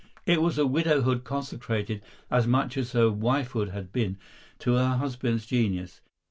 It was a widowhood consecrated, as much as her wifehood had been, to her husband's genius.